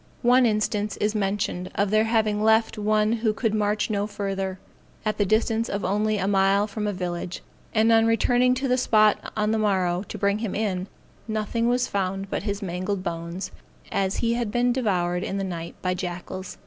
One instance is mentioned of their having left one who could march no further, at the distance of only a mile from a village; and on returning to the spot on the morrow, to bring him in, nothing was found but his mangled bones, as he had been devoured in the night by jackals.